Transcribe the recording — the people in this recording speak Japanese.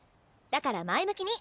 だから前向きに！